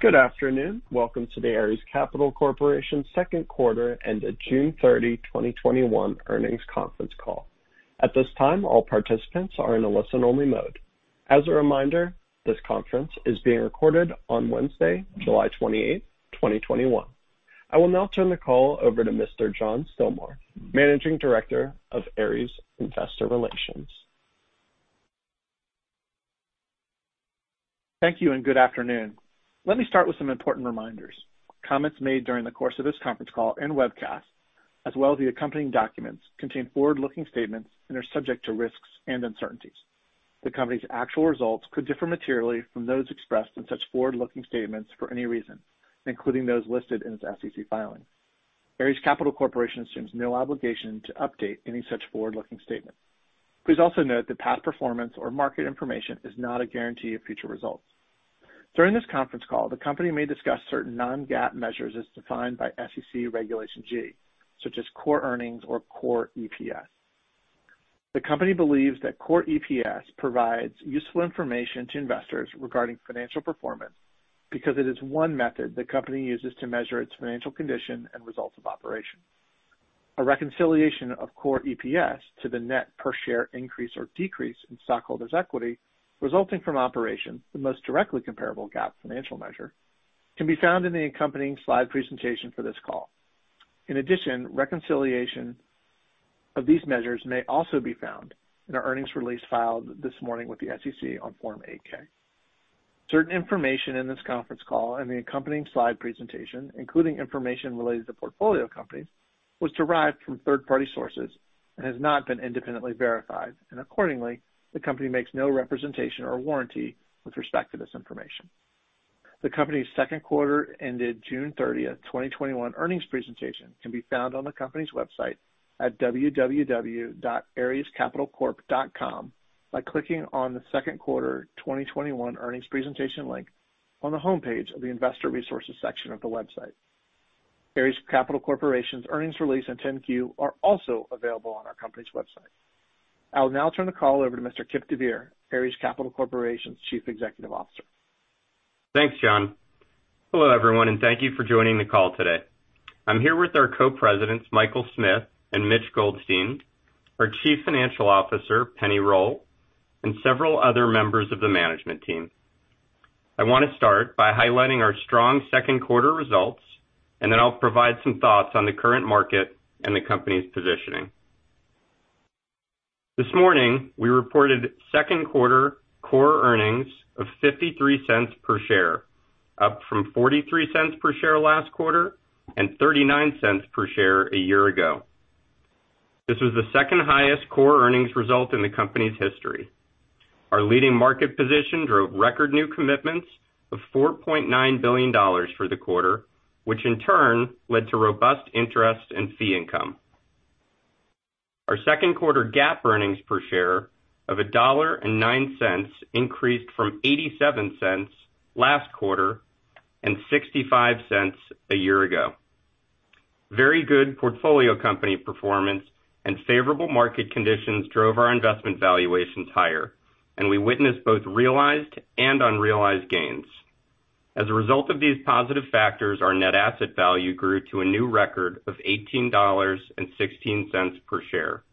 Good afternoon. Welcome to the Ares Capital Corporation second quarter and the June 30, 2021 earnings conference call. I will now turn the call over to Mr. John Stilmar, Managing Director of Ares Investor Relations. Thank you, and good afternoon. Let me start with some important reminders. Comments made during the course of this conference call and webcast, as well as the accompanying documents, contain forward-looking statements and are subject to risks and uncertainties. The company's actual results could differ materially from those expressed in such forward-looking statements for any reason, including those listed in its SEC filing. Ares Capital Corporation assumes no obligation to update any such forward-looking statement. Please also note that past performance or market information is not a guarantee of future results. During this conference call, the company may discuss certain non-GAAP measures as defined by SEC Regulation G, such as core earnings or core EPS. The company believes that core EPS provides useful information to investors regarding financial performance because it is one method the company uses to measure its financial condition and results of operation. A reconciliation of core EPS to the net per share increase or decrease in stockholders' equity resulting from operations, the most directly comparable GAAP financial measure, can be found in the accompanying slide presentation for this call. In addition, reconciliation of these measures may also be found in our earnings release filed this morning with the SEC on Form 8-K. Certain information in this conference call and the accompanying slide presentation, including information related to portfolio companies, was derived from third-party sources and has not been independently verified, and accordingly, the company makes no representation or warranty with respect to this information. The company's second quarter ended June 30th, 2021 earnings presentation can be found on the company's website at www.arescapitalcorp.com by clicking on the second-quarter 2021 earnings presentation link on the homepage of the Investor Resources section of the website. Ares Capital Corporation's earnings release and 10-Q are also available on our company's website. I will now turn the call over to Mr. Kipp deVeer, Ares Capital Corporation's Chief Executive Officer. Thanks, John. Hello, everyone, and thank you for joining the call today. I'm here with our Co-Presidents, Michael Smith and Mitch Goldstein, our Chief Financial Officer, Penni Roll, and several other members of the management team. I want to start by highlighting our strong second-quarter results, and then I'll provide some thoughts on the current market and the company's positioning. This morning, we reported second-quarter core earnings of $0.53 per share, up from $0.43 per share last quarter and $0.39 per share a year ago. This was the second-highest core earnings result in the company's history. Our leading market position drove record new commitments of $4.9 billion for the quarter, which in turn led to robust interest and fee income. Our second quarter GAAP earnings per share of $1.09 increased from $0.87 last quarter and $0.65 a year ago. Very good portfolio company performance and favorable market conditions drove our investment valuations higher, and we witnessed both realized and unrealized gains. As a result of these positive factors, our net asset value grew to a new record of $18.16 per share.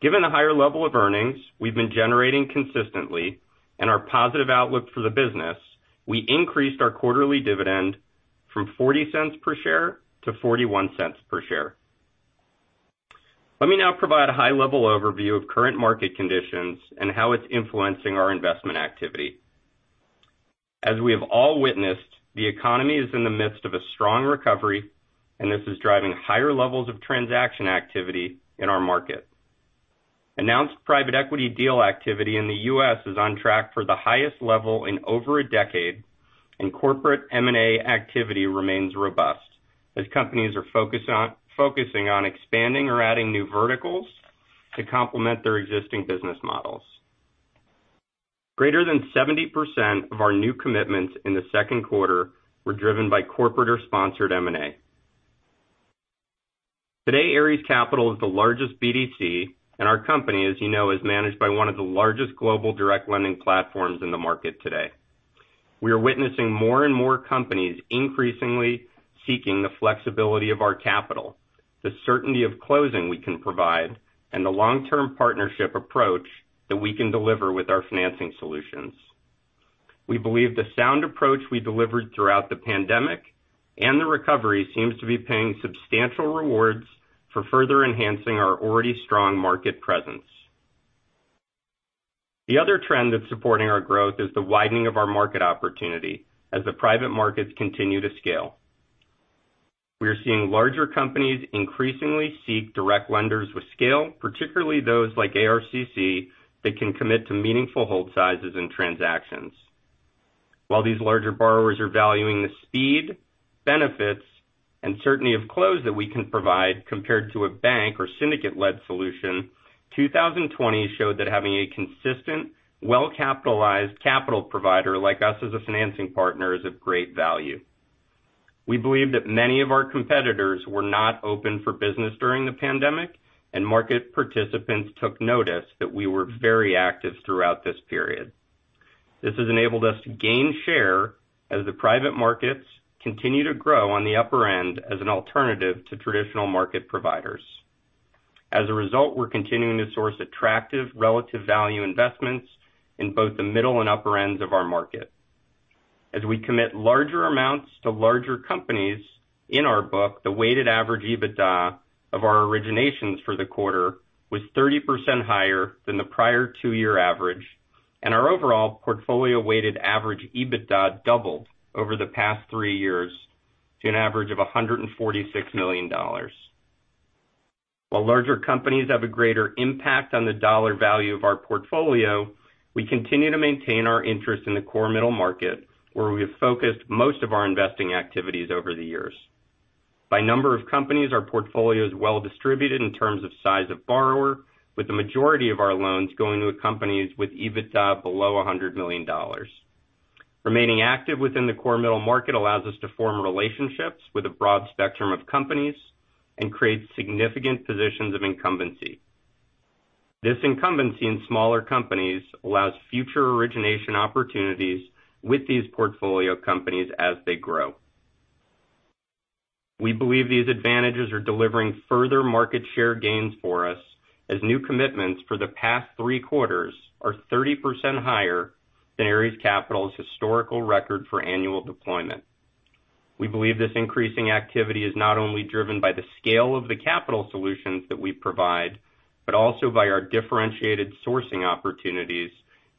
Given the higher level of earnings we've been generating consistently and our positive outlook for the business, we increased our quarterly dividend from $0.40 per share to $0.41 per share. Let me now provide a high-level overview of current market conditions and how it's influencing our investment activity. As we have all witnessed, the economy is in the midst of a strong recovery, and this is driving higher levels of transaction activity in our market. Announced private equity deal activity in the U.S. is on track for the highest level in over a decade. Corporate M&A activity remains robust as companies are focusing on expanding or adding new verticals to complement their existing business models. Greater than 70% of our new commitments in the second quarter were driven by corporate or sponsored M&A. Today, Ares Capital is the largest BDC. Our company, as you know, is managed by one of the largest global direct lending platforms in the market today. We are witnessing more and more companies increasingly seeking the flexibility of our capital, the certainty of closing we can provide, and the long-term partnership approach that we can deliver with our financing solutions. We believe the sound approach we delivered throughout the pandemic and the recovery seems to be paying substantial rewards for further enhancing our already strong market presence. The other trend that's supporting our growth is the widening of our market opportunity as the private markets continue to scale. We are seeing larger companies increasingly seek direct lenders with scale, particularly those like ARCC, that can commit to meaningful hold sizes and transactions. While these larger borrowers are valuing the speed, benefits, and certainty of close that we can provide compared to a bank or syndicate-led solution, 2020 showed that having a consistent, well-capitalized capital provider like us as a financing partner is of great value. We believe that many of our competitors were not open for business during the pandemic, and market participants took notice that we were very active throughout this period. This has enabled us to gain share as the private markets continue to grow on the upper end as an alternative to traditional market providers. As a result, we're continuing to source attractive relative value investments in both the middle and upper ends of our market. As we commit larger amounts to larger companies in our book, the weighted average EBITDA of our originations for the quarter was 30% higher than the prior two-year average, and our overall portfolio weighted average EBITDA doubled over the past three years to an average of $146 million. While larger companies have a greater impact on the dollar value of our portfolio, we continue to maintain our interest in the core middle market, where we have focused most of our investing activities over the years. By number of companies, our portfolio is well distributed in terms of size of borrower, with the majority of our loans going to companies with EBITDA below $100 million. Remaining active within the core middle market allows us to form relationships with a broad spectrum of companies and create significant positions of incumbency. This incumbency in smaller companies allows future origination opportunities with these portfolio companies as they grow. We believe these advantages are delivering further market share gains for us as new commitments for the past three quarters are 30% higher than Ares Capital's historical record for annual deployment. We believe this increasing activity is not only driven by the scale of the capital solutions that we provide, but also by our differentiated sourcing opportunities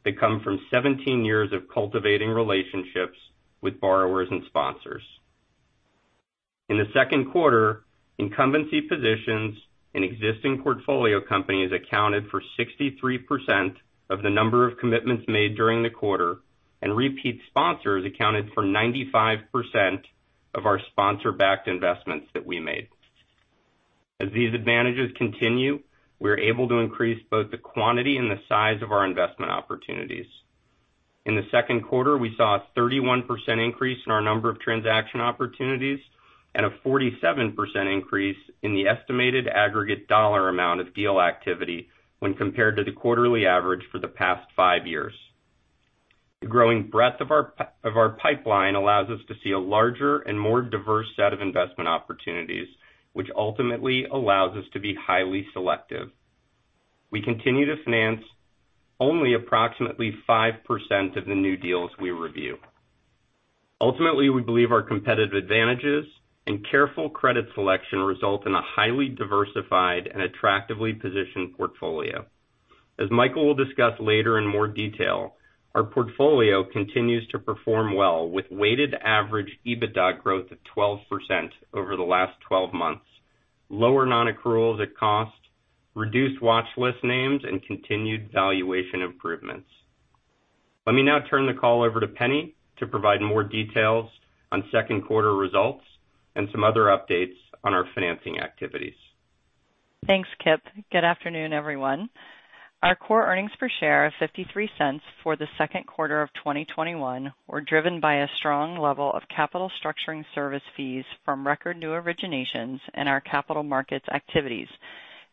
that come from 17 years of cultivating relationships with borrowers and sponsors. In the second quarter, incumbency positions in existing portfolio companies accounted for 63% of the number of commitments made during the quarter, and repeat sponsors accounted for 95% of our sponsor-backed investments that we made. As these advantages continue, we are able to increase both the quantity and the size of our investment opportunities. In the second quarter, we saw a 31% increase in our number of transaction opportunities and a 47% increase in the estimated aggregate dollar amount of deal activity when compared to the quarterly average for the past five years. The growing breadth of our pipeline allows us to see a larger and more diverse set of investment opportunities, which ultimately allows us to be highly selective. We continue to finance only approximately 5% of the new deals we review. Ultimately, we believe our competitive advantages and careful credit selection result in a highly diversified and attractively positioned portfolio. As Michael Smith will discuss later in more detail, our portfolio continues to perform well with weighted average EBITDA growth of 12% over the last 12 months, lower non-accruals at cost, reduced watchlist names, and continued valuation improvements. Let me now turn the call over to Penni Roll to provide more details on second quarter results and some other updates on our financing activities. Thanks, Kipp. Good afternoon, everyone. Our core earnings per share of $0.53 for the second quarter of 2021 were driven by a strong level of capital structuring service fees from record new originations and our capital markets activities,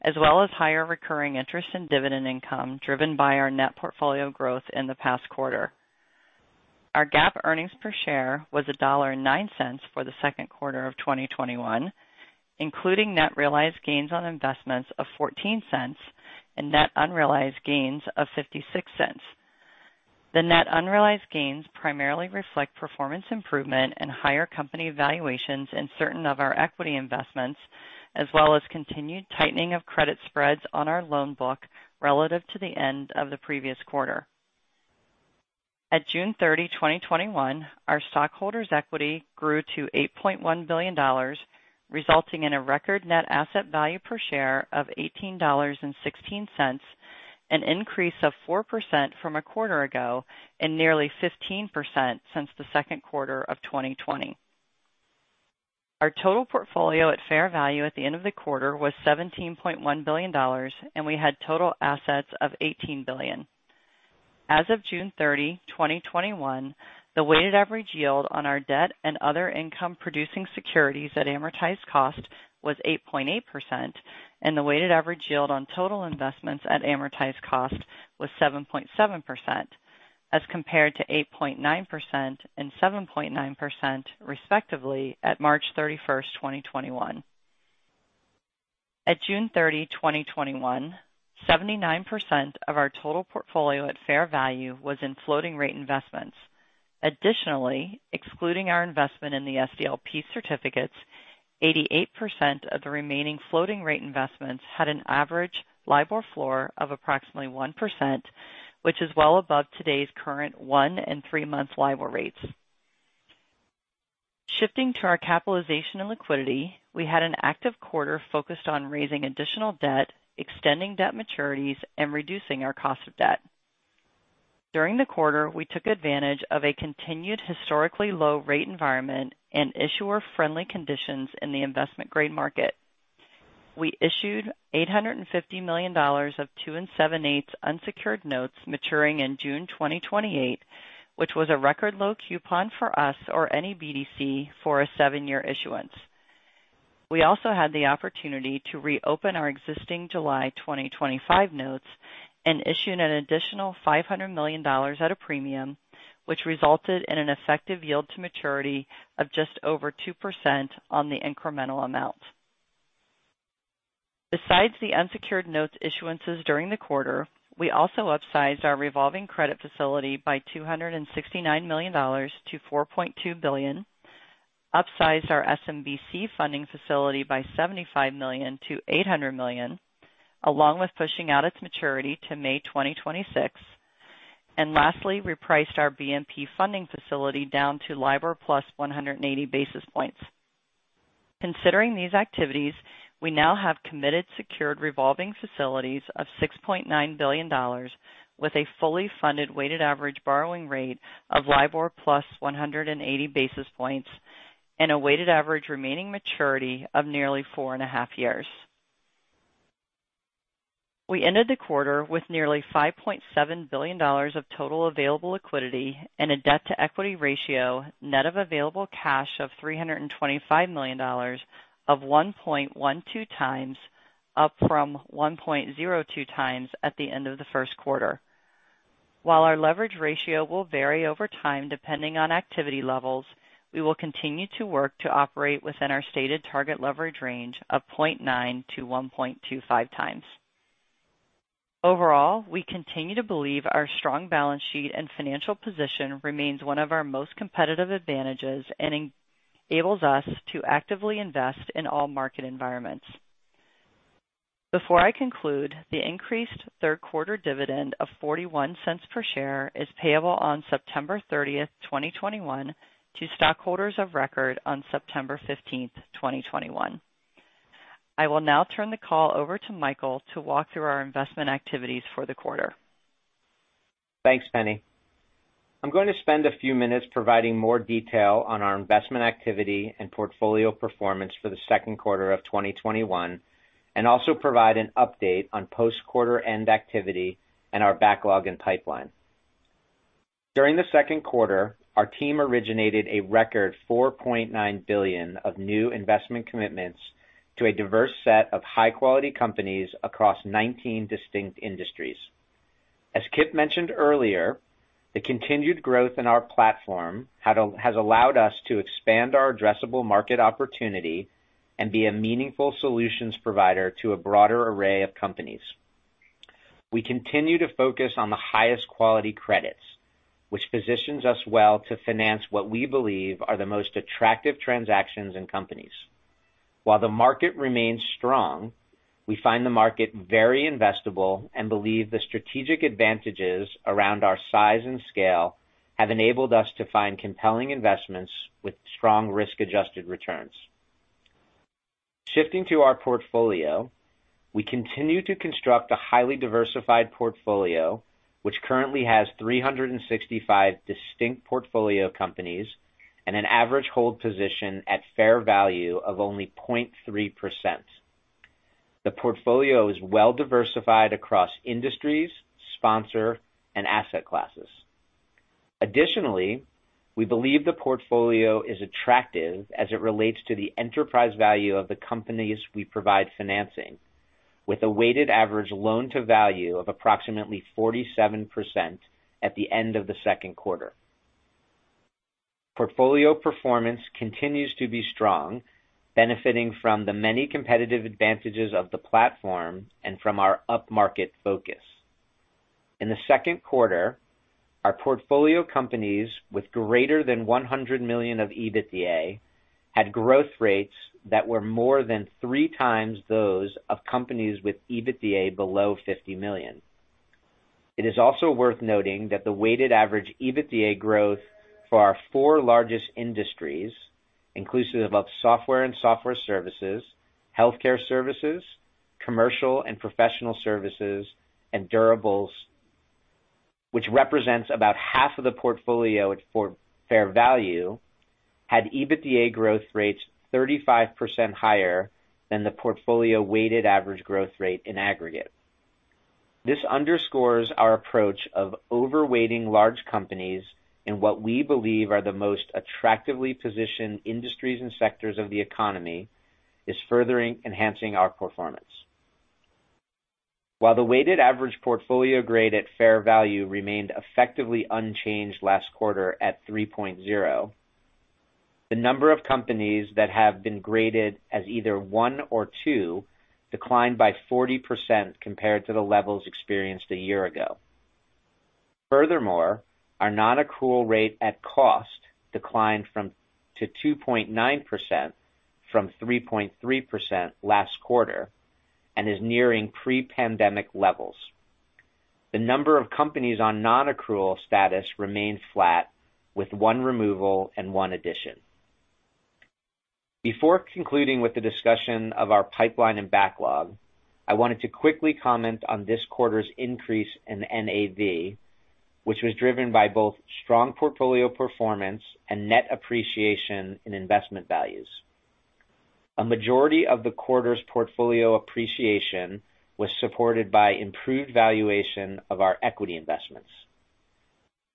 as well as higher recurring interest in dividend income driven by our net portfolio growth in the past quarter. Our GAAP earnings per share was $1.09 for the second quarter of 2021, including net realized gains on investments of $0.14 and net unrealized gains of $0.56. The net unrealized gains primarily reflect performance improvement and higher company valuations in certain of our equity investments, as well as continued tightening of credit spreads on our loan book relative to the end of the previous quarter. At June 30, 2021, our stockholders' equity grew to $8.1 billion, resulting in a record net asset value per share of $18.16, an increase of 4% from a quarter ago and nearly 15% since the second quarter of 2020. Our total portfolio at fair value at the end of the quarter was $17.1 billion, and we had total assets of $18 billion. As of June 30, 2021, the weighted average yield on our debt and other income-producing securities at amortized cost was 8.8%, and the weighted average yield on total investments at amortized cost was 7.7%, as compared to 8.9% and 7.9%, respectively, at March 31, 2021. At June 30, 2021, 79% of our total portfolio at fair value was in floating rate investments. Additionally, excluding our investment in the SDLP certificates, 88% of the remaining floating rate investments had an average LIBOR floor of approximately 1%, which is well above today's current 1 and 3-month LIBOR rates. Shifting to our capitalization and liquidity, we had an active quarter focused on raising additional debt, extending debt maturities, and reducing our cost of debt. During the quarter, we took advantage of a continued historically low rate environment and issuer-friendly conditions in the investment-grade market. We issued $850 million of 2 and 7/8% unsecured notes maturing in June 2028, which was a record low coupon for us or any BDC for a seven-year issuance. We also had the opportunity to reopen our existing July 2025 notes and issued an additional $500 million at a premium, which resulted in an effective yield to maturity of just over 2% on the incremental amount. Besides the unsecured notes issuances during the quarter, we also upsized our revolving credit facility by $269 million to $4.2 billion, upsized our SMBC funding facility by $75 million to $800 million, along with pushing out its maturity to May 2026, and lastly, repriced our BNP funding facility down to LIBOR plus 180 basis points. Considering these activities, we now have committed secured revolving facilities of $6.9 billion with a fully funded weighted average borrowing rate of LIBOR plus 180 basis points and a weighted average remaining maturity of nearly four and a half years. We ended the quarter with nearly $5.7 billion of total available liquidity and a debt-to-equity ratio net of available cash of $325 million of 1.12x, up from 1.02x at the end of the first quarter. While our leverage ratio will vary over time depending on activity levels, we will continue to work to operate within our stated target leverage range of 0.9x to 1.25x. Overall, we continue to believe our strong balance sheet and financial position remains one of our most competitive advantages and enables us to actively invest in all market environments. Before I conclude, the increased third-quarter dividend of $0.41 per share is payable on September 30th, 2021, to stockholders of record on September 15th, 2021. I will now turn the call over to Michael to walk through our investment activities for the quarter. Thanks, Penni. I'm going to spend a few minutes providing more detail on our investment activity and portfolio performance for the second quarter of 2021, and also provide an update on post-quarter-end activity and our backlog and pipeline. During the second quarter, our team originated a record $4.9 billion of new investment commitments to a diverse set of high-quality companies across 19 distinct industries. As Kipp mentioned earlier, the continued growth in our platform has allowed us to expand our addressable market opportunity and be a meaningful solutions provider to a broader array of companies. We continue to focus on the highest quality credits, which positions us well to finance what we believe are the most attractive transactions and companies. While the market remains strong, we find the market very investable and believe the strategic advantages around our size and scale have enabled us to find compelling investments with strong risk-adjusted returns. Shifting to our portfolio, we continue to construct a highly diversified portfolio, which currently has 365 distinct portfolio companies and an average hold position at fair value of only 0.3%. The portfolio is well diversified across industries, sponsor, and asset classes. Additionally, we believe the portfolio is attractive as it relates to the enterprise value of the companies we provide financing, with a weighted average loan-to-value of approximately 47% at the end of the second quarter. Portfolio performance continues to be strong, benefiting from the many competitive advantages of the platform and from our upmarket focus. In the second quarter, our portfolio companies with greater than $100 million of EBITDA had growth rates that were more than three times those of companies with EBITDA below $50 million. It is also worth noting that the weighted average EBITDA growth for our four largest industries, inclusive of software and software services, healthcare services, commercial and professional services, and durables, which represents about half of the portfolio at fair value, had EBITDA growth rates 35% higher than the portfolio weighted average growth rate in aggregate. This underscores our approach of overweighting large companies in what we believe are the most attractively positioned industries and sectors of the economy is further enhancing our performance. While the weighted average portfolio grade at fair value remained effectively unchanged last quarter at 3.0, the number of companies that have been graded as either one or two declined by 40% compared to the levels experienced a year ago. Furthermore, our non-accrual rate at cost declined to 2.9% from 3.3% last quarter and is nearing pre-pandemic levels. The number of companies on non-accrual status remained flat, with one removal and one addition. Before concluding with the discussion of our pipeline and backlog, I wanted to quickly comment on this quarter's increase in NAV, which was driven by both strong portfolio performance and net appreciation in investment values. A majority of the quarter's portfolio appreciation was supported by improved valuation of our equity investments.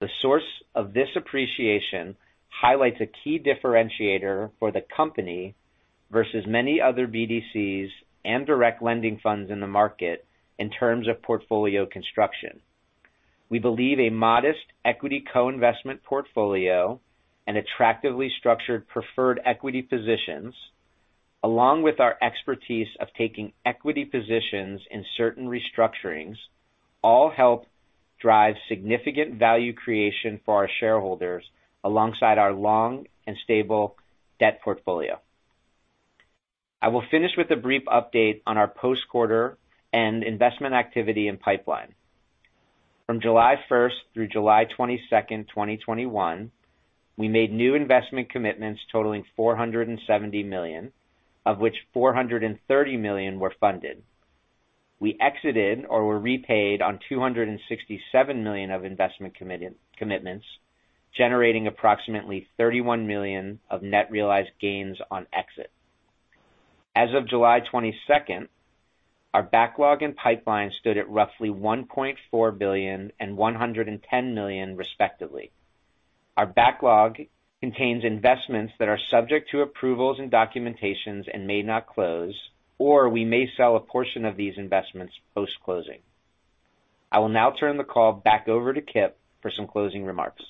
The source of this appreciation highlights a key differentiator for the company versus many other BDCs and direct lending funds in the market in terms of portfolio construction. We believe a modest equity co-investment portfolio and attractively structured preferred equity positions, along with our expertise of taking equity positions in certain restructurings, all help drive significant value creation for our shareholders alongside our long and stable debt portfolio. I will finish with a brief update on our post-quarter and investment activity and pipeline. From July 1st through July 22nd, 2021, we made new investment commitments totaling $470 million, of which $430 million were funded. We exited or were repaid on $267 million of investment commitments, generating approximately $31 million of net realized gains on exit. As of July 22nd, our backlog and pipeline stood at roughly $1.4 billion and $110 million, respectively. Our backlog contains investments that are subject to approvals and documentations and may not close, or we may sell a portion of these investments post-closing. I will now turn the call back over to Kipp for some closing remarks.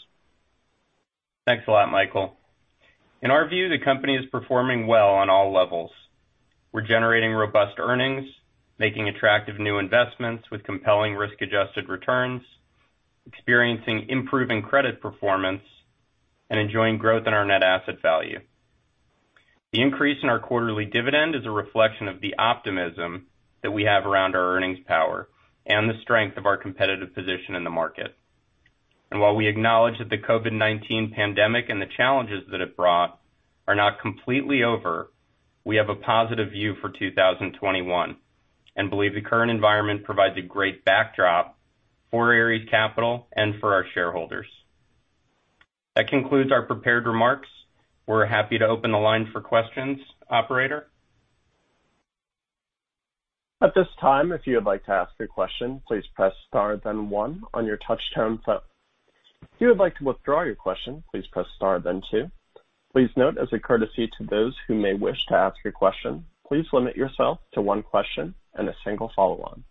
Thanks a lot, Michael. In our view, the company is performing well on all levels. We're generating robust earnings, making attractive new investments with compelling risk-adjusted returns, experiencing improving credit performance, and enjoying growth in our net asset value. The increase in our quarterly dividend is a reflection of the optimism that we have around our earnings power and the strength of our competitive position in the market. While we acknowledge that the COVID-19 pandemic and the challenges that it brought are not completely over, we have a positive view for 2021 and believe the current environment provides a great backdrop for Ares Capital and for our shareholders. That concludes our prepared remarks. We're happy to open the line for questions, operator. At this time, if you would like to ask a question, please press star one on your touch-tone phone. If you would like to withdraw your question, please press star two. Please note as a courtesy to those who may wish to ask a question, please limit yourself to one question and a single follow-on.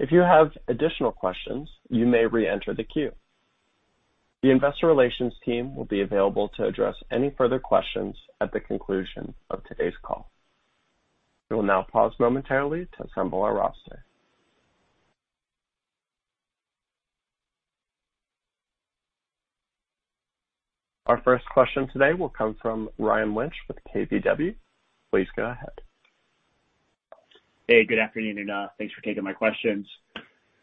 If you have additional questions, you may re-enter the queue. The Investor Relations team will be available to address any further questions at the conclusion of today's call. We will now pause momentarily to assemble our roster. Our first question today will come from Ryan Lynch with KBW. Please go ahead. Good afternoon, thanks for taking my questions.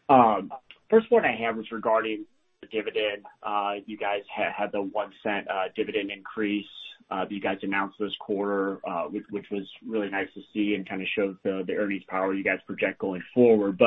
First one I have is regarding the dividend. You guys had the $0.01 dividend increase that you guys announced this quarter which was really nice to see and kind of shows the earnings power you guys project going forward.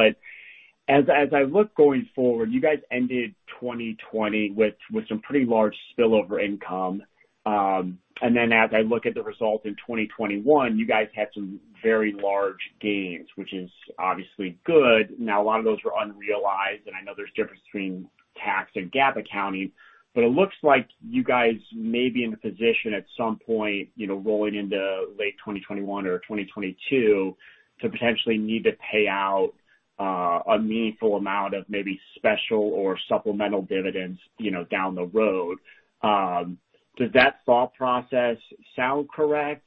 As I look going forward, you guys ended 2020 with some pretty large spillover income. As I look at the results in 2021, you guys had some very large gains, which is obviously good. Now, a lot of those were unrealized, and I know there's a difference between tax and GAAP accounting, it looks like you guys may be in a position at some point rolling into late 2021 or 2022 to potentially need to pay out a meaningful amount of maybe special or supplemental dividends down the road. Does that thought process sound correct?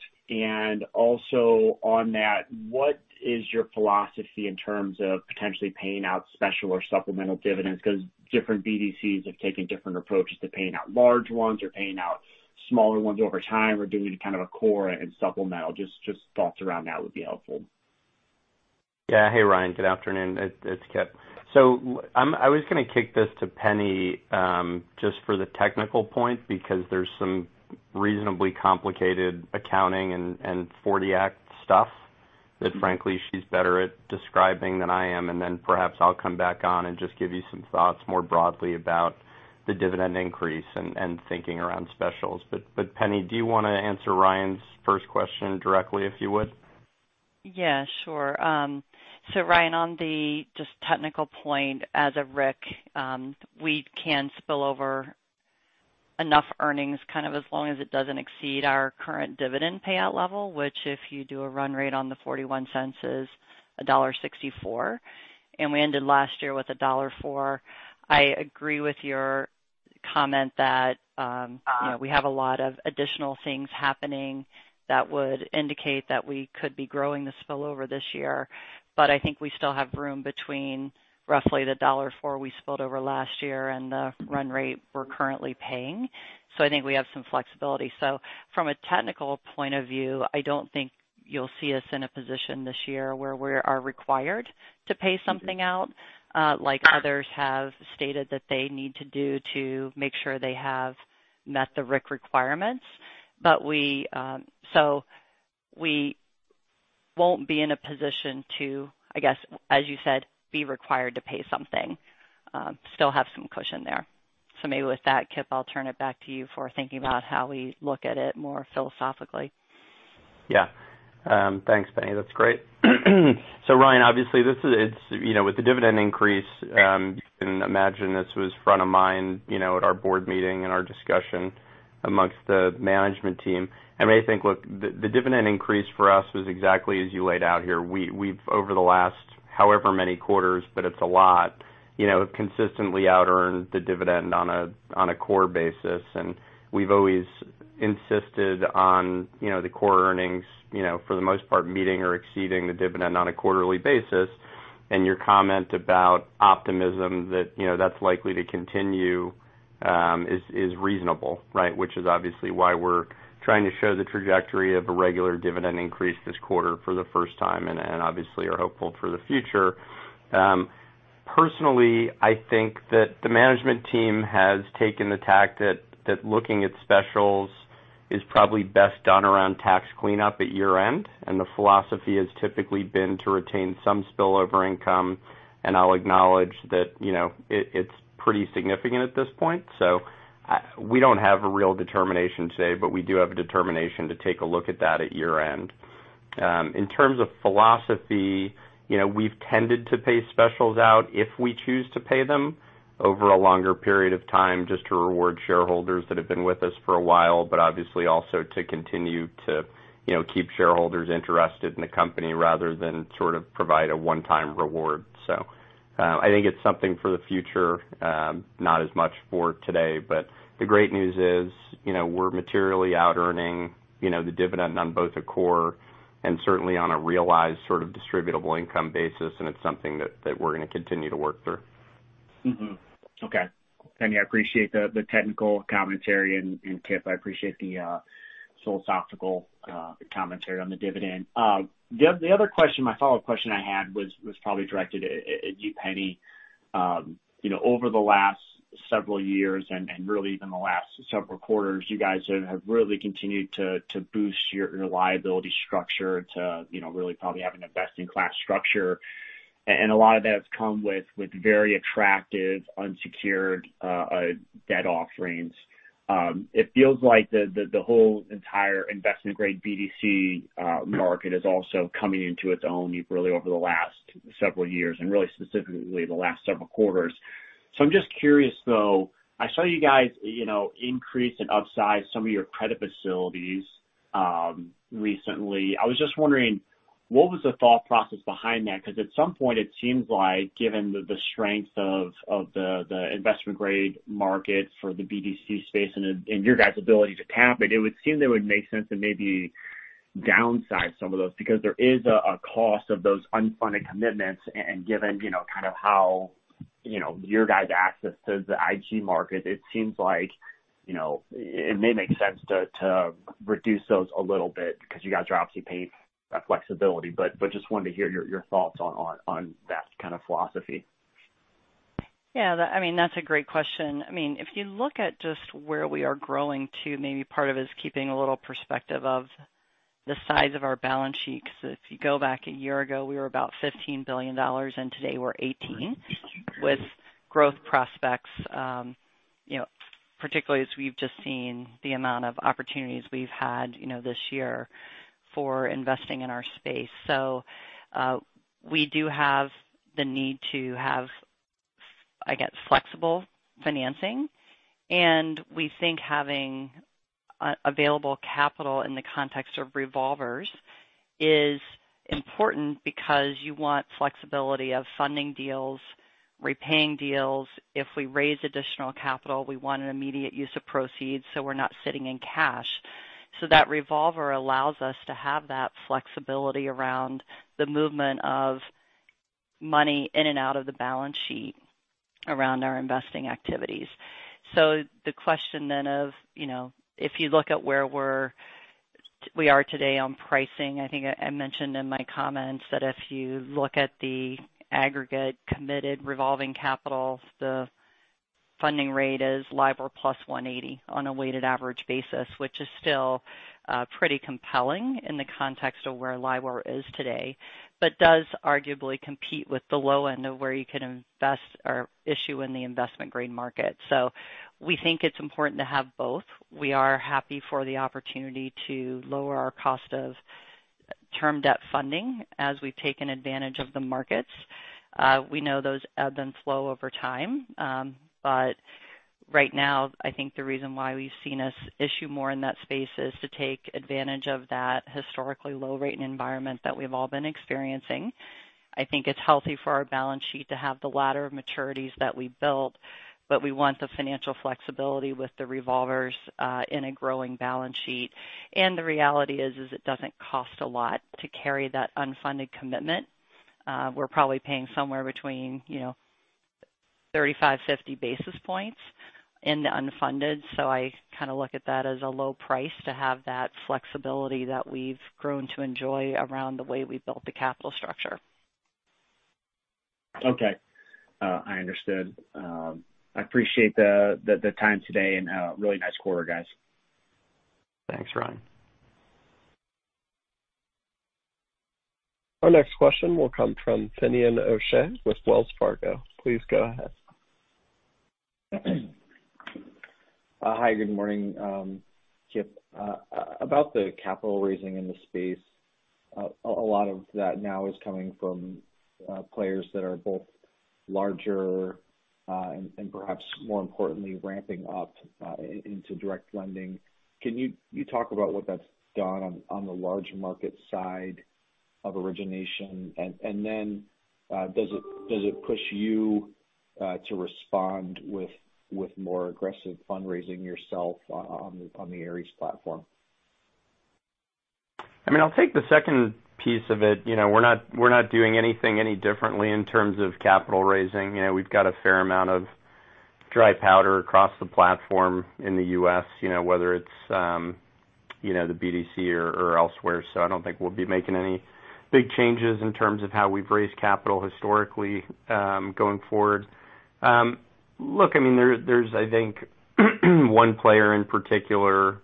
Also on that, what is your philosophy in terms of potentially paying out special or supplemental dividends? Different BDCs have taken different approaches to paying out large ones or paying out smaller ones over time or doing kind of a core and supplemental. Just thoughts around that would be helpful. Yeah. Hey, Ryan. Good afternoon. It's Kipp. I was going to kick this to Penni, just for the technical point, because there's some reasonably complicated accounting and 40 Act stuff that frankly, she's better at describing than I am. Perhaps I'll come back on and just give you some thoughts more broadly about the dividend increase and thinking around specials. Penni, do you want to answer Ryan's first question directly, if you would? Yeah, sure. Ryan, on the just technical point, as a RIC, we can spill over enough earnings, kind of as long as it doesn't exceed our current dividend payout level, which if you do a run rate on the $0.41 is $1.64. We ended last year with $1.04. I agree with your comment that we have a lot of additional things happening that would indicate that we could be growing the spillover this year. I think we still have room between roughly the $1.04 we spilled over last year and the run rate we're currently paying. I think we have some flexibility. From a technical point of view, I don't think you'll see us in a position this year where we are required to pay something out, like others have stated that they need to do to make sure they have met the RIC requirements. We won't be in a position to, I guess as you said, be required to pay something. Still have some cushion there. Maybe with that, Kipp, I'll turn it back to you for thinking about how we look at it more philosophically. Yeah. Thanks, Penni. That's great. Ryan, obviously, with the dividend increase, you can imagine this was front of mind at our board meeting and our discussion amongst the management team. I may think, look, the dividend increase for us was exactly as you laid out here. We've over the last however many quarters, but it's a lot, consistently outearned the dividend on a core basis, and we've always insisted on the core earnings, for the most part, meeting or exceeding the dividend on a quarterly basis. Your comment about optimism that's likely to continue, is reasonable. Which is obviously why we're trying to show the trajectory of a regular dividend increase this quarter for the first time and obviously are hopeful for the future. Personally, I think that the management team has taken the tack that looking at specials is probably best done around tax cleanup at year-end, and the philosophy has typically been to retain some spillover income, and I'll acknowledge that it's pretty significant at this point. We don't have a real determination today, but we do have a determination to take a look at that at year-end. In terms of philosophy, we've tended to pay specials out if we choose to pay them over a longer period of time just to reward shareholders that have been with us for a while, but obviously also to continue to keep shareholders interested in the company rather than sort of provide a one-time reward. I think it's something for the future, not as much for today. The great news is, we're materially out-earning the dividend on both a core and certainly on a realized sort of distributable income basis, and it's something that we're going to continue to work through. Okay. Penni, I appreciate the technical commentary. Kipp, I appreciate the philosophical commentary on the dividend. The other question, my follow-up question I had was probably directed at you, Penni. Over the last several years and really even the last several quarters, you guys have really continued to boost your liability structure to really probably have an investment-grade structure. A lot of that has come with very attractive unsecured debt offerings. It feels like the whole entire investment grade BDC market is also coming into its own, really over the last several years and really specifically the last several quarters. I'm just curious, though. I saw you guys increase and upsize some of your credit facilities recently. I was just wondering, what was the thought process behind that? At some point it seems like given the strength of the investment-grade market for the BDC space and your guys' ability to tap it would seem that it would make sense to maybe downsize some of those because there is a cost of those unfunded commitments. Given kind of how your guys' access to the IG market, it seems like it may make sense to reduce those a little bit because you guys are obviously paying that flexibility. Just wanted to hear your thoughts on that kind of philosophy. Yeah. That's a great question. If you look at just where we are growing to, maybe part of it is keeping a little perspective of the size of our balance sheet because if you go back a year ago, we were about $15 billion and today we're $18 with growth prospects, particularly as we've just seen the amount of opportunities we've had this year for investing in our space. We do have the need to have, I guess, flexible financing, and we think having available capital in the context of revolvers is important because you want flexibility of funding deals, repaying deals. If we raise additional capital, we want an immediate use of proceeds so we're not sitting in cash. That revolver allows us to have that flexibility around the movement of money in and out of the balance sheet around our investing activities. The question then of if you look at where we are today on pricing, I think I mentioned in my comments that if you look at the aggregate committed revolving capital, the funding rate is LIBOR plus 180 on a weighted average basis, which is still pretty compelling in the context of where LIBOR is today. Does arguably compete with the low end of where you can invest or issue in the investment-grade market. We think it's important to have both. We are happy for the opportunity to lower our cost of term debt funding as we've taken advantage of the markets. We know those ebb and flow over time. Right now, I think the reason why we've seen us issue more in that space is to take advantage of that historically low-rate environment that we've all been experiencing. I think it's healthy for our balance sheet to have the ladder of maturities that we built, but we want the financial flexibility with the revolvers in a growing balance sheet. The reality is it doesn't cost a lot to carry that unfunded commitment. We're probably paying somewhere between 35, 50 basis points in the unfunded. I kind of look at that as a low price to have that flexibility that we've grown to enjoy around the way we built the capital structure. Okay. I understood. I appreciate the time today and really nice quarter, guys. Thanks, Ryan. Our next question will come from Finian O'Shea with Wells Fargo. Please go ahead. Hi, good morning. Kipp, about the capital raising in the space. A lot of that now is coming from players that are both larger, and perhaps more importantly, ramping up into direct lending. Can you talk about what that's done on the large market side of origination? Then, does it push you to respond with more aggressive fundraising yourself on the Ares platform? I'll take the second piece of it. We're not doing anything any differently in terms of capital raising. We've got a fair amount of dry powder across the platform in the U.S., whether it's the BDC or elsewhere. I don't think we'll be making any big changes in terms of how we've raised capital historically, going forward. Look, there's, I think, one player in particular,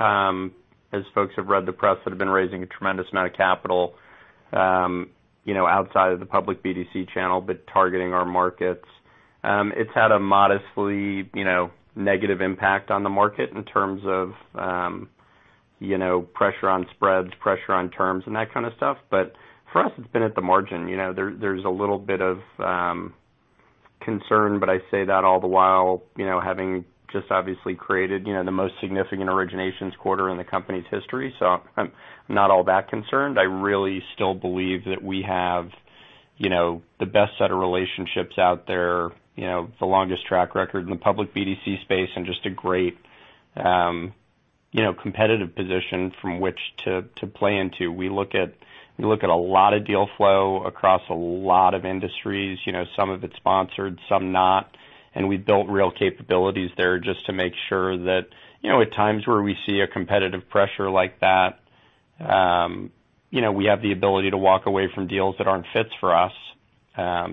as folks have read the press, that have been raising a tremendous amount of capital outside of the public BDC channel, but targeting our markets. It's had a modestly negative impact on the market in terms of pressure on spreads, pressure on terms, and that kind of stuff. For us, it's been at the margin. There's a little bit of concern, but I say that all the while having just obviously created the most significant originations quarter in the company's history. I'm not all that concerned. I really still believe that we have the best set of relationships out there, the longest track record in the public BDC space, and just a great competitive position from which to play into. We look at a lot of deal flow across a lot of industries. Some of it's sponsored, some not. We built real capabilities there just to make sure that at times where we see a competitive pressure like that, we have the ability to walk away from deals that aren't fits for us,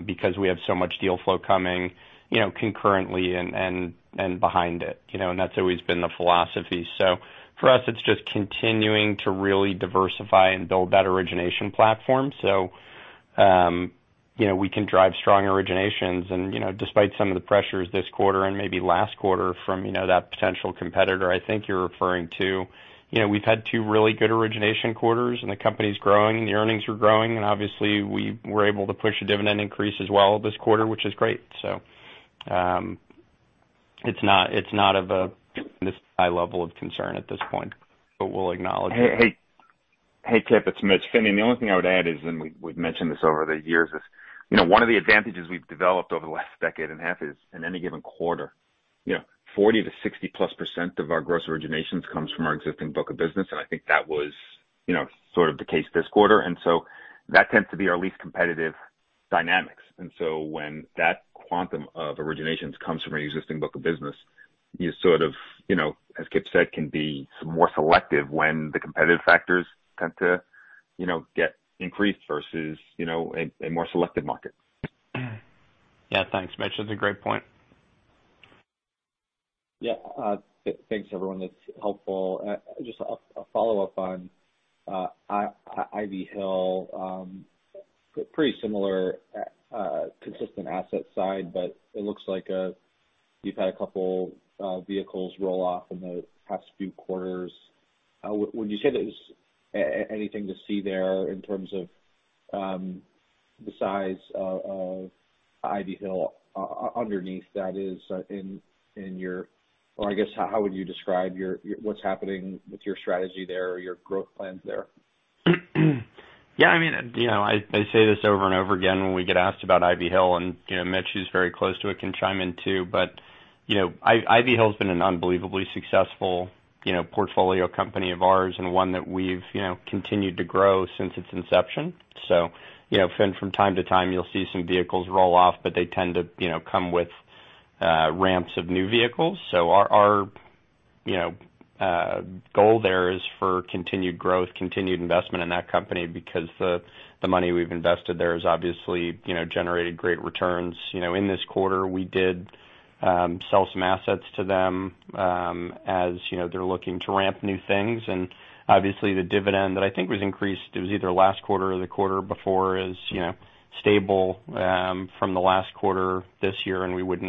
because we have so much deal flow coming concurrently and behind it. That's always been the philosophy. For us, it's just continuing to really diversify and build that origination platform. We can drive strong originations and despite some of the pressures this quarter and maybe last quarter from that potential competitor I think you're referring to. We've had two really good origination quarters and the company's growing and the earnings are growing, and obviously we were able to push a dividend increase as well this quarter, which is great. It's not of a high level of concern at this point, but we'll acknowledge it. Hey, Kipp, it's Mitch. Finian, the only thing I would add is, and we've mentioned this over the years, is one of the advantages we've developed over the last decade and a half is in any given quarter 40%-60%+ of our gross originations comes from our existing book of business, and I think that was sort of the case this quarter. That tends to be our least competitive dynamics. When that quantum of originations comes from an existing book of business, you sort of, as Kipp said, can be more selective when the competitive factors tend to get increased versus a more selective market. Yeah. Thanks, Mitch. That's a great point. Yeah. Thanks, everyone. That's helpful. Just a follow-up on Ivy Hill. Pretty similar, consistent asset side, but it looks like you've had a couple vehicles roll off in the past few quarters. Would you say there's anything to see there in terms of the size of Ivy Hill underneath that is or I guess, how would you describe what's happening with your strategy there or your growth plans there? I say this over and over again when we get asked about Ivy Hill, and Mitch, who is very close to it can chime in too. Ivy Hill has been an unbelievably successful portfolio company of ours and one that we have continued to grow since its inception. From time to time, you will see some vehicles roll off, but they tend to come with ramps of new vehicles. Our goal there is for continued growth, continued investment in that company, because the money we have invested there has obviously generated great returns. In this quarter, we did sell some assets to them, as they are looking to ramp new things, and obviously, the dividend that I think was increased, it was either last quarter or the quarter before, is stable from the last quarter this year, and we would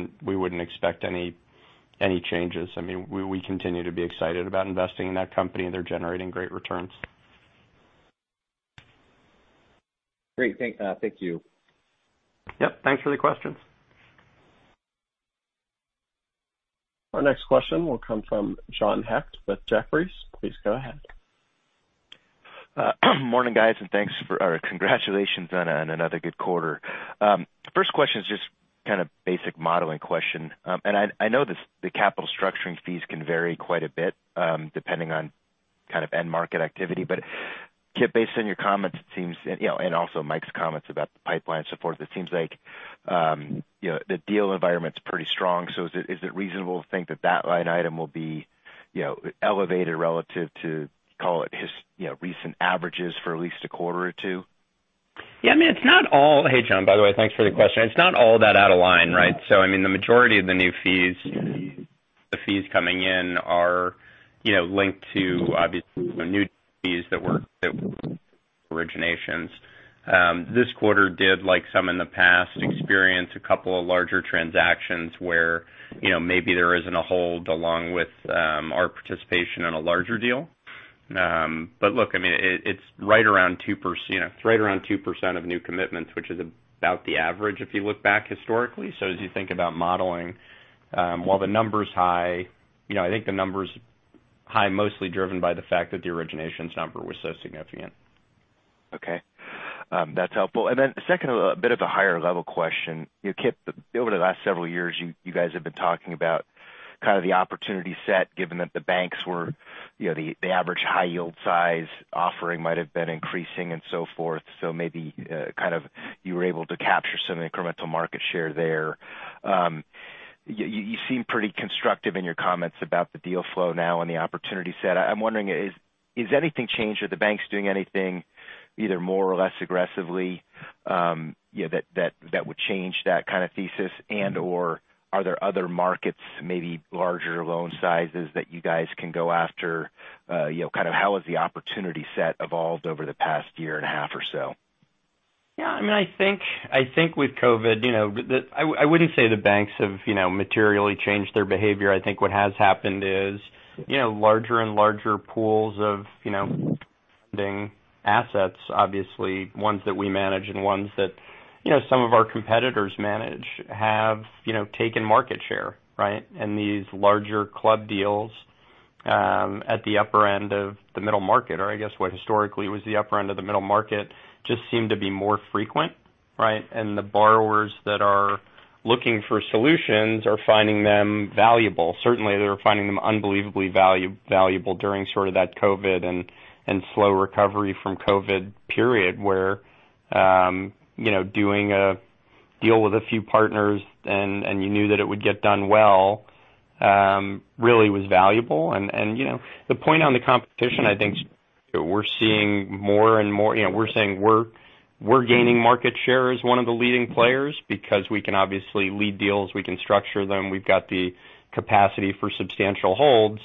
not expect any changes. We continue to be excited about investing in that company, and they're generating great returns. Great. Thank you. Yep. Thanks for the questions. Our next question will come from John Hecht with Jefferies. Please go ahead. Morning, guys, and congratulations on another good quarter. First question is just kind of basic modeling question. I know the capital structuring fees can vary quite a bit, depending on end market activity. Kipp, based on your comments, it seems, and also Michael's comments about the pipeline and so forth, it seems like the deal environment's pretty strong. Is it reasonable to think that that line item will be elevated relative to, call it, recent averages for at least a quarter or two? Yeah. Hey, John, by the way, thanks for the question. It's not all that out of line, right? The majority of the new fees coming in are linked to, obviously, new fees that were originations. This quarter did, like some in the past, experience a couple of larger transactions where maybe there isn't a hold along with our participation in a larger deal. Look, it's right around 2% of new commitments, which is about the average if you look back historically. As you think about modeling, while the number's high, I think the number's high mostly driven by the fact that the originations number was so significant. Okay. That's helpful. Second, a bit of a higher-level question. Kipp, over the last several years, you guys have been talking about kind of the opportunity set, given that the banks, the average high yield size offering might have been increasing, and so forth. Maybe you were able to capture some incremental market share there. You seem pretty constructive in your comments about the deal flow now and the opportunity set. I'm wondering, has anything changed? Are the banks doing anything either more or less aggressively that would change that kind of thesis? Are there other markets, maybe larger loan sizes that you guys can go after? How has the opportunity set evolved over the past year and a half or so? Yeah. I think with COVID, I wouldn't say the banks have materially changed their behavior. I think what has happened is larger and larger pools of funding assets, obviously ones that we manage and ones that some of our competitors manage, have taken market share, right? These larger club deals at the upper end of the middle market, or I guess what historically was the upper end of the middle market, just seem to be more frequent, right? The borrowers that are looking for solutions are finding them valuable. Certainly, they're finding them unbelievably valuable during that COVID and slow recovery from COVID period, where doing a deal with a few partners, and you knew that it would get done well really was valuable. The point on the competition, I think we're seeing more and more, we're saying we're gaining market share as one of the leading players because we can obviously lead deals. We can structure them. We've got the capacity for substantial holds.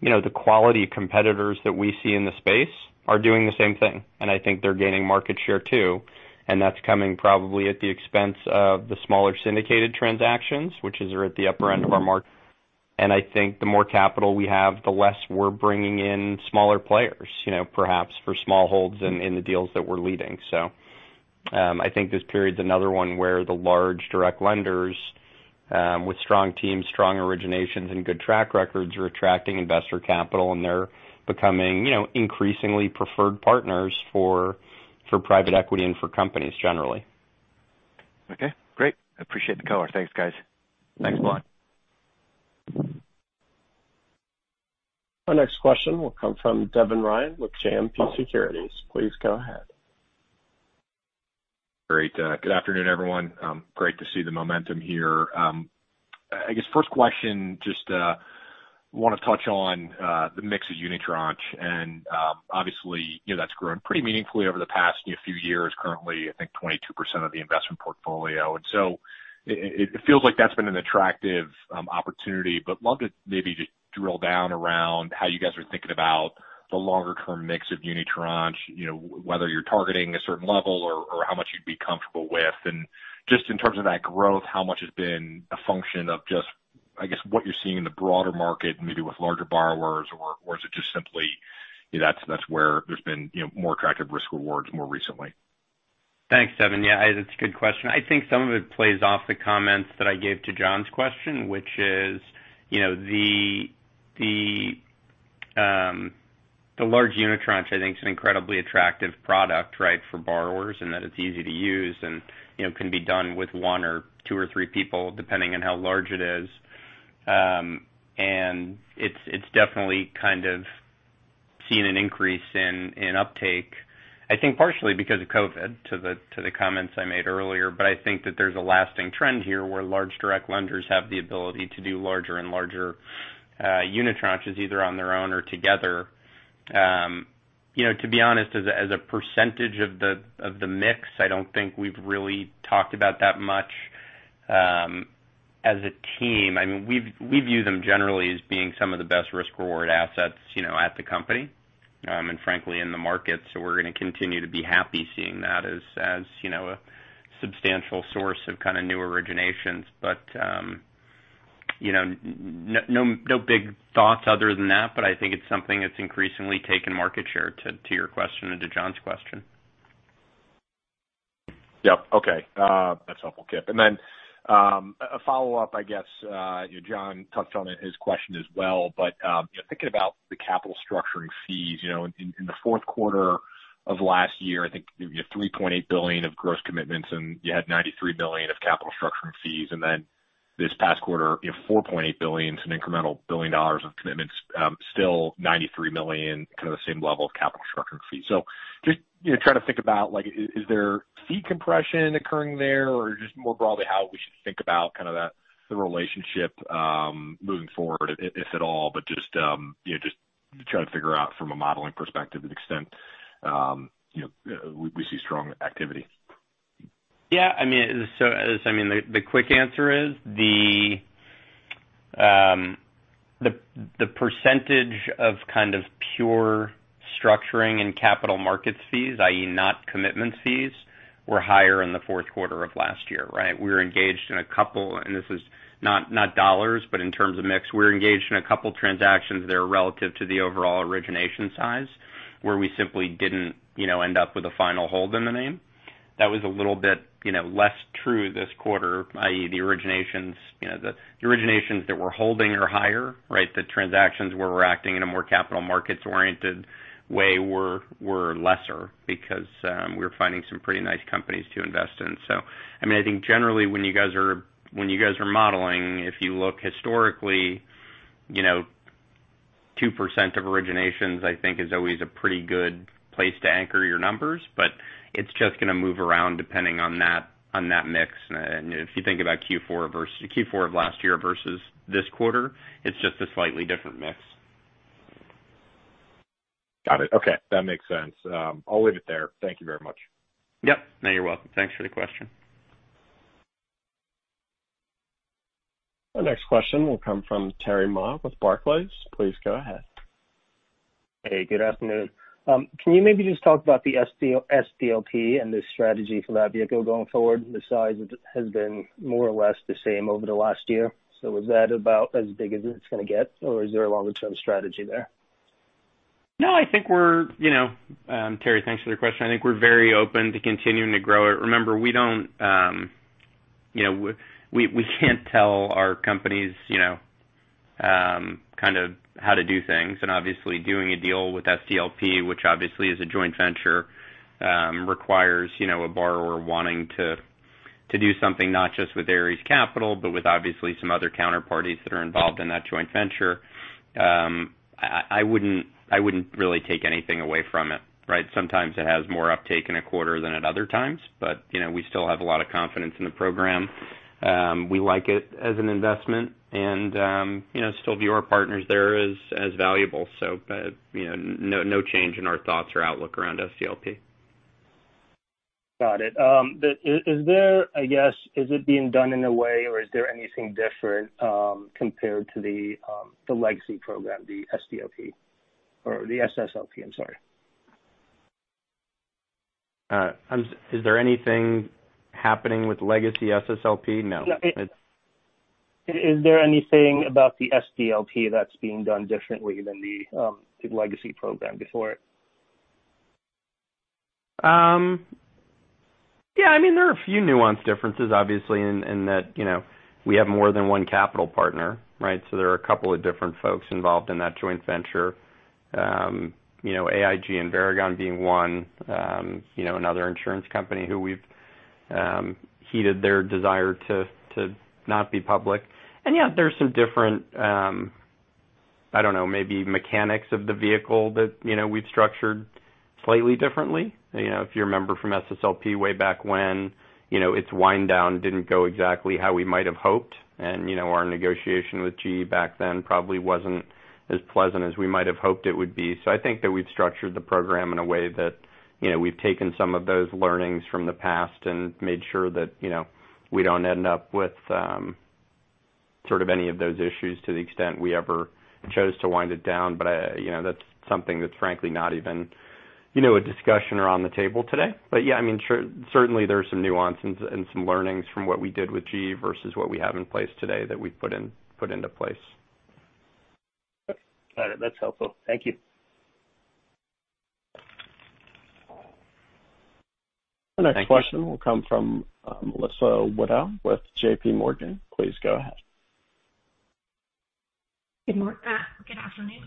The quality competitors that we see in the space are doing the same thing. I think they're gaining market share too. That's coming probably at the expense of the smaller syndicated transactions, which are at the upper end of our market. I think the more capital we have, the less we're bringing in smaller players perhaps for small holds in the deals that we're leading. I think this period is another one where the large direct lenders with strong teams, strong originations, and good track records are attracting investor capital, and they're becoming increasingly preferred partners for private equity and for companies generally. Okay, great. I appreciate the color. Thanks, guys. Thanks a lot. Our next question will come from Devin Ryan with JMP Securities. Please go ahead. Great. Good afternoon, everyone. Great to see the momentum here. I guess first question, just want to touch on the mix of unitranche, obviously that's grown pretty meaningfully over the past few years. Currently, I think 22% of the investment portfolio. It feels like that's been an attractive opportunity, love to maybe just drill down around how you guys are thinking about the longer-term mix of unitranche. Whether you're targeting a certain level or how much you'd be comfortable with. Just in terms of that growth, how much has been a function of just, I guess, what you're seeing in the broader market, maybe with larger borrowers, or is it just simply that's where there's been more attractive risk rewards more recently? Thanks, Devin. Yeah, it's a good question. I think some of it plays off the comments that I gave to John's question, which is the large unitranche I think is an incredibly attractive product, right, for borrowers, and that it's easy to use and can be done with one or two or three people, depending on how large it is. It's definitely kind of seen an increase in uptake. I think partially because of COVID, to the comments I made earlier. I think that there's a lasting trend here where large direct lenders have the ability to do larger and larger unitranches, either on their own or together. To be honest, as a percentage of the mix, I don't think we've really talked about that much as a team. We view them generally as being some of the best risk-reward assets at the company, and frankly, in the market. We're going to continue to be happy seeing that as a substantial source of kind of new originations. No big thoughts other than that. I think it's something that's increasingly taken market share to your question and to John's question. Yep. Okay. That's helpful, Kipp deVeer. Then a follow-up, I guess John Hecht touched on it in his question as well, but thinking about the capital structuring fees. In the fourth quarter of last year, I think you had $3.8 billion of gross commitments, and you had $93 million of capital structuring fees. This past quarter, $4.8 billion, some incremental $1 billion of commitments, still $93 million, kind of the same level of capital structuring fees. Just trying to think about, is there fee compression occurring there, or just more broadly, how we should think about kind of that relationship moving forward, if at all, but just try to figure out from a modeling perspective the extent we see strong activity. Yeah. The quick answer is, the percentage of kind of pure structuring and capital markets fees, i.e., not commitment fees, were higher in the fourth quarter of last year, right? We were engaged in a couple, and this is not dollars, but in terms of mix, we were engaged in a couple transactions there relative to the overall origination size, where we simply didn't end up with a final hold in the name. That was a little bit less true this quarter, i.e., the originations that we're holding are higher, right? The transactions where we're acting in a more capital markets-oriented way were lesser because we were finding some pretty nice companies to invest in. I think generally when you guys are modeling, if you look historically, 2% of originations, I think, is always a pretty good place to anchor your numbers, but it's just going to move around depending on that mix. If you think about Q4 of last year versus this quarter, it's just a slightly different mix. Got it. Okay. That makes sense. I'll leave it there. Thank you very much. Yep. No, you're welcome. Thanks for the question. The next question will come from Terry Ma with Barclays. Please go ahead. Hey, good afternoon. Can you maybe just talk about the SDLP and the strategy for that vehicle going forward? The size has been more or less the same over the last year. Is that about as big as it's going to get, or is there a longer-term strategy there? Terry, thanks for the question. I think we're very open to continuing to grow it. We can't tell our companies kind of how to do things, and obviously doing a deal with SDLP, which obviously is a joint venture, requires a borrower wanting to do something not just with Ares Capital, but with obviously some other counterparties that are involved in that joint venture. I wouldn't really take anything away from it, right? Sometimes it has more uptake in a quarter than at other times, but we still have a lot of confidence in the program. We like it as an investment and still view our partners there as valuable. No change in our thoughts or outlook around SDLP. Got it. Is it being done in a way, or is there anything different compared to the legacy program, the SDLP or the SSLP? I'm sorry. Is there anything happening with legacy SSLP? No. Is there anything about the SDLP that's being done differently than the legacy program before it? There are a few nuanced differences, obviously, in that we have more than one capital partner, right? There are two different folks involved in that joint venture. AIG and Varagon being one, another insurance company who we've heeded their desire to not be public. There's some different, I don't know, maybe mechanics of the vehicle that we've structured slightly differently. If you remember from SSLP way back when, its wind-down didn't go exactly how we might have hoped, and our negotiation with GE back then probably wasn't as pleasant as we might have hoped it would be. I think that we've structured the program in a way that we've taken some of those learnings from the past and made sure that we don't end up with sort of any of those issues to the extent we ever chose to wind it down. That's something that's frankly not even a discussion around the table today. Yeah, certainly there are some nuances and some learnings from what we did with GE versus what we have in place today that we've put into place. Got it. That's helpful. Thank you. Thank you. The next question will come from Melissa Wedel with JPMorgan. Please go ahead. Good afternoon.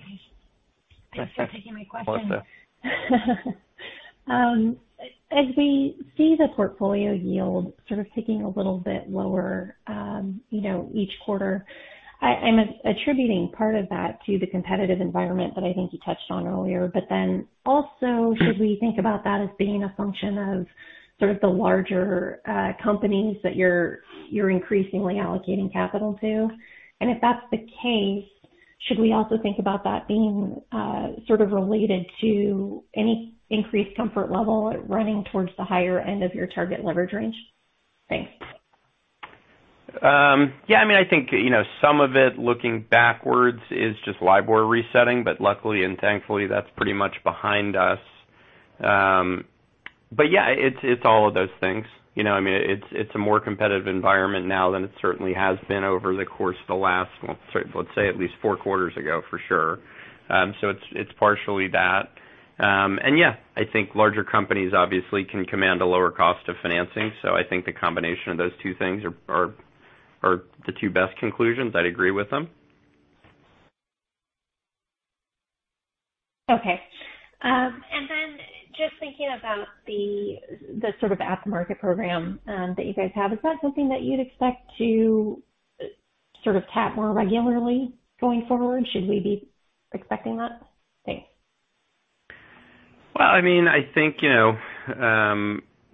Thanks for taking my question. Melissa. As we see the portfolio yield sort of ticking a little bit lower each quarter, I'm attributing part of that to the competitive environment that I think you touched on earlier. Also, should we think about that as being a function of sort of the larger companies that you're increasingly allocating capital to? If that's the case, should we also think about that being sort of related to any increased comfort level running towards the higher end of your target leverage range? Thanks. Yeah, I think some of it looking backwards is just LIBOR resetting, but luckily and thankfully, that's pretty much behind us. Yeah, it's all of those things. It's a more competitive environment now than it certainly has been over the course of the last, let's say, at least four quarters ago, for sure. It's partially that. Yeah, I think larger companies obviously can command a lower cost of financing. I think the combination of those two things are the two best conclusions. I'd agree with them. Okay. Then just thinking about the at-the-market program that you guys have, is that something that you'd expect to tap more regularly going forward? Should we be expecting that? Thanks. Well, I think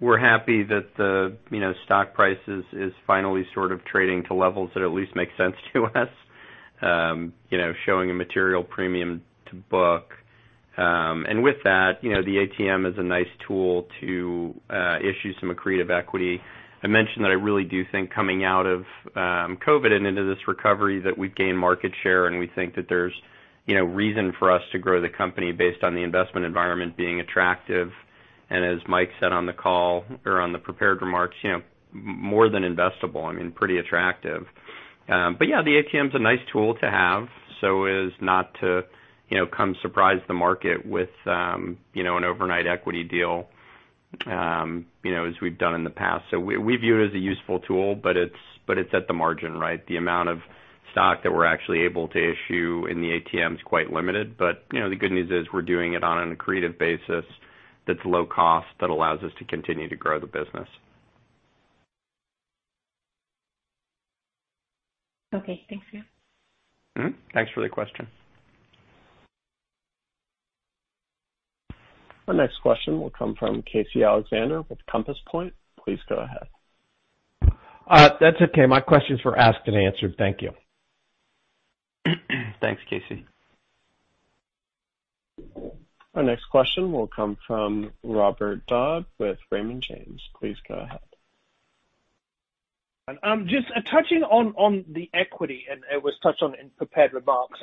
we're happy that the stock price is finally trading to levels that at least make sense to us. Showing a material premium to book. With that, the ATM is a nice tool to issue some accretive equity. I mentioned that I really do think coming out of COVID and into this recovery that we've gained market share, and we think that there's reason for us to grow the company based on the investment environment being attractive. As Mike said on the call or on the prepared remarks, more than investable, pretty attractive. Yeah, the ATM's a nice tool to have, so as not to come surprise the market with an overnight equity deal as we've done in the past. We view it as a useful tool, but it's at the margin, right? The amount of stock that we're actually able to issue in the ATM is quite limited. The good news is we're doing it on an accretive basis that's low cost, that allows us to continue to grow the business. Okay. Thanks. Thanks for the question. Our next question will come from Casey Alexander with Compass Point. Please go ahead. That's okay. My questions were asked and answered. Thank you. Thanks, Casey. Our next question will come from Robert Dodd with Raymond James. Please go ahead. Just touching on the equity, and it was touched on in prepared remarks.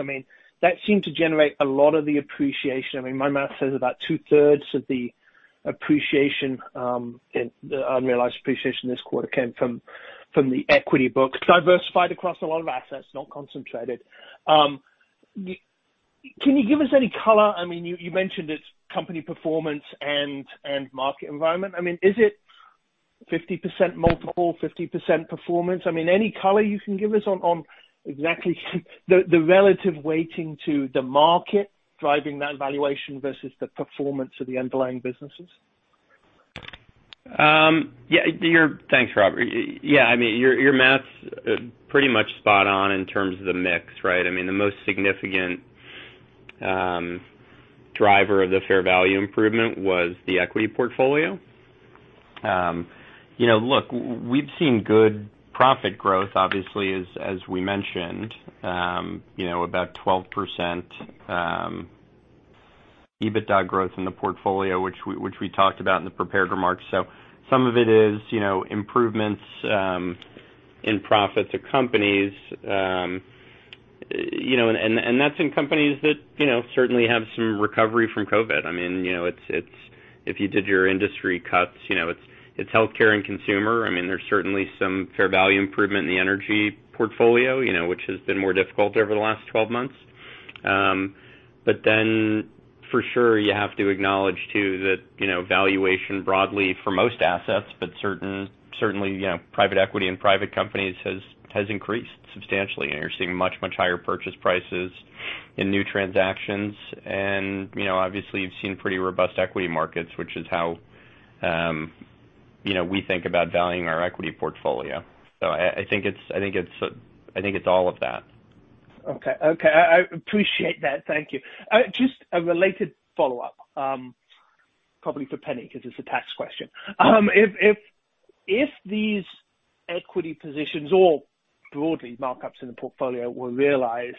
My math says about two-thirds of the unrealized appreciation this quarter came from the equity book, diversified across a lot of assets, not concentrated. Can you give us any color? You mentioned it's company performance and market environment. Is it 50% multiple, 50% performance? Any color you can give us on exactly the relative weighting to the market driving that valuation versus the performance of the underlying businesses? Thanks, Robert. Your math's pretty much spot on in terms of the mix, right? The most significant driver of the fair value improvement was the equity portfolio. We've seen good profit growth, obviously, as we mentioned. About 12% EBITDA growth in the portfolio, which we talked about in the prepared remarks. Some of it is improvements in profits of companies. That's in companies that certainly have some recovery from COVID. If you did your industry cuts, it's healthcare and consumer. There's certainly some fair value improvement in the energy portfolio which has been more difficult over the last 12 months. For sure, you have to acknowledge too that valuation broadly for most assets, but certainly private equity and private companies has increased substantially, and you're seeing much, much higher purchase prices in new transactions. Obviously, you've seen pretty robust equity markets, which is how we think about valuing our equity portfolio. I think it's all of that. Okay. I appreciate that. Thank you. Just a related follow-up, probably for Penni, because it's a tax question. If these equity positions or broadly markups in the portfolio were realized,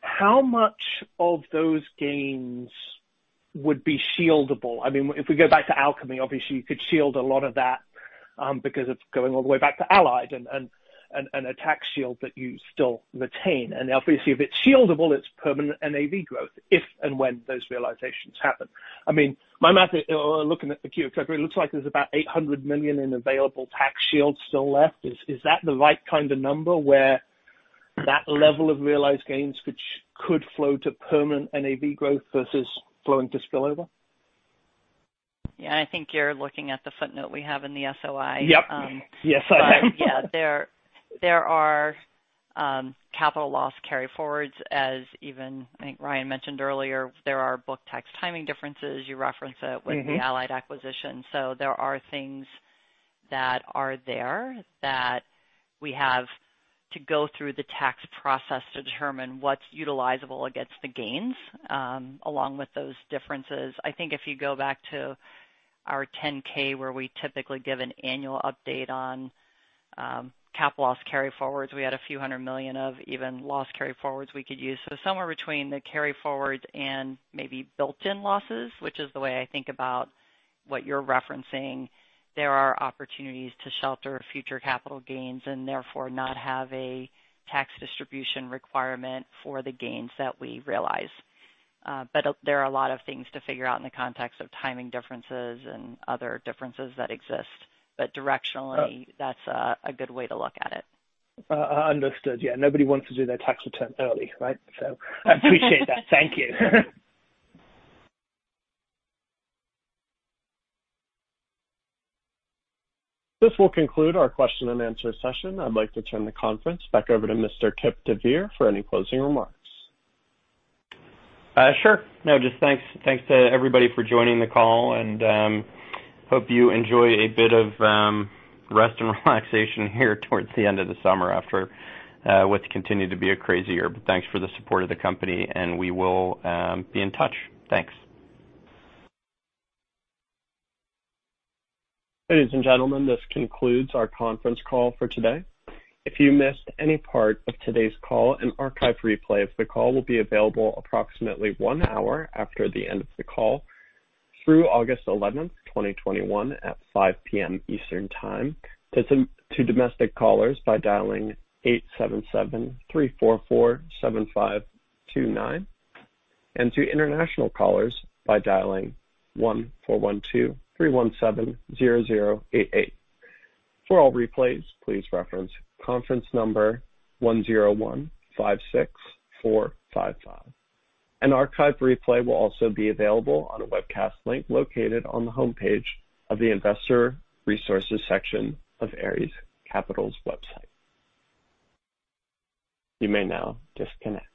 how much of those gains would be shieldable? If we go back to Alcami, obviously you could shield a lot of that because it's going all the way back to Allied and a tax shield that you still retain. Obviously if it's shieldable, it's permanent NAV growth if and when those realizations happen. My math looking at the Q, it looks like there's about $800 million in available tax shield still left. Is that the right kind of number where that level of realized gains which could flow to permanent NAV growth versus flowing to spillover? Yeah, I think you're looking at the footnote we have in the SOI. Yep. Yes, I am. Yeah. There are capital loss carryforwards as even I think Ryan mentioned earlier, there are book tax timing differences with the Allied Capital acquisition. There are things that are there that we have to go through the tax process to determine what's utilizable against the gains, along with those differences. I think if you go back to our 10-K, where we typically give an annual update on capital loss carryforwards, we had a few hundred million of even loss carryforwards we could use. Somewhere between the carryforwards and maybe built-in losses, which is the way I think about what you're referencing, there are opportunities to shelter future capital gains and therefore not have a tax distribution requirement for the gains that we realize. There are a lot of things to figure out in the context of timing differences and other differences that exist. Directionally, that's a good way to look at it. Understood. Yeah. Nobody wants to do their tax return early, right? I appreciate that. Thank you. This will conclude our question-and-answer session. I'd like to turn the conference back over to Mr. Kipp deVeer for any closing remarks. Sure. No, just thanks to everybody for joining the call, and hope you enjoy a bit of rest and relaxation here towards the end of the summer after what's continued to be a crazy year. Thanks for the support of the company, and we will be in touch. Thanks. Ladies and gentlemen, this concludes our conference call for today. If you missed any part of today's call, an archive replay of the call will be available approximately one hour after the end of the call through August 11th, 2021, at 5:00 P.M. Eastern Time to domestic callers by dialing 877-344-7529, and to international callers by dialing 1-412-317-0088. For all replays, please reference conference number 10156455. An archive replay will also be available on a webcast link located on the homepage of the Investor Resources section of Ares Capital's website. You may now disconnect